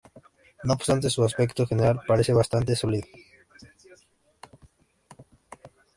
No obstante su aspecto general parece bastante sólido.